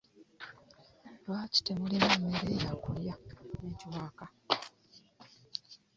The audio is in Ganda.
Lwaki temulima mmere yakulya?